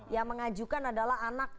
yang mengajukan adalah anda